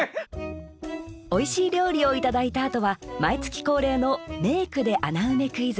おいしい料理をいただいたあとは毎月恒例の「名句ｄｅ穴埋めクイズ」。